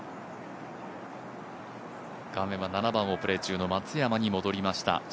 画面は７番をプレー中の松山に戻りました。